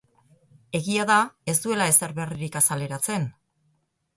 Egia da ez duela ezer berririk azaleratzen.